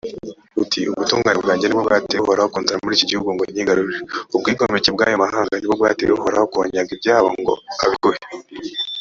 uti «ubutungane bwanjye ni bwo bwateye uhoraho kunzana muri iki gihugu ngo nkigarurire. ubwigomeke bw’ayo mahanga ni bwo bwateye uhoraho kubanyaga ibyabo ngo abiguhe.